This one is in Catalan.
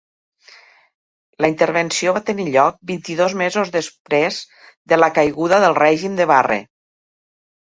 La intervenció va tenir lloc vint-i-dos mesos després de la caiguda del règim de Barre.